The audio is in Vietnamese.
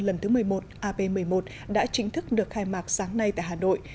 lần thứ một mươi một ap một mươi một đã chính thức được khai mạc sáng nay tại hà nội